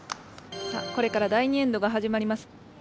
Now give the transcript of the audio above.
さあこれから第２エンドが始まります。